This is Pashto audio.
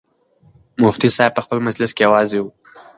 مفتي صاحب په هغه مجلس کې یوازې و.